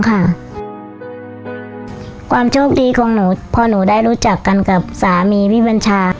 ความโชคดีของหนูพอหนูได้รู้จักกันกับสามีพี่บัญชา